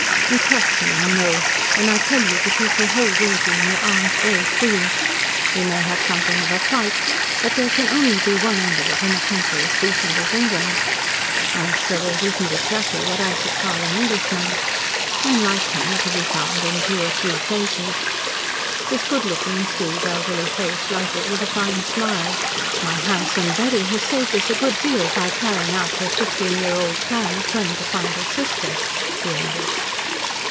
You trust me, I know, when I tell you that you shall hold Rosy in your arms very soon. We may have something of a fight, but there can only be one end to it in a country as decent as England. Anstruthers isn't exactly what I should call an Englishman. Men rather like him are to be found in two or three places." His good looking, shrewd, elderly face lighted with a fine smile. "My handsome Betty has saved us a good deal by carrying out her fifteen year old plan of going to find her sister," he ended.